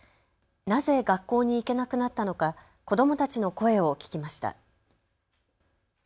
なぜ学校に行けなくなったのか、子どもたちの声を聴きました。